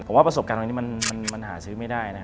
ผมว่าประสบการณ์ตรงนี้มันหาซื้อไม่ได้